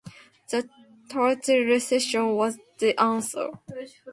The trench ration was the answer.